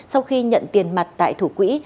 sau khi nhận tiền mặt tại thủ quỹ